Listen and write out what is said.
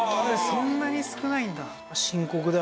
そんなに少ないんだ。